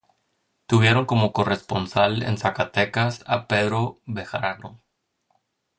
Tuvieron como corresponsal en Zacatecas a Pedro Bejarano.